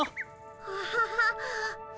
アハハッ。